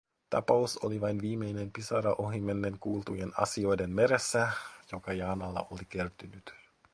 Tapaus oli vain viimeinen pisara ohimennen kuultujen asioiden meressä, joka Jaanalle oli kertynyt.